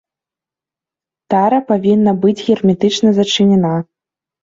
Тара павінна быць герметычна зачынена.